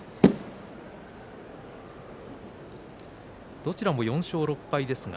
どちらも４勝６敗